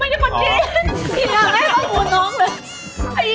ไม่มีคนกินนั่งให้เยอะน้องน้องเลยไอเองเหลวมาทั่วเนี่ย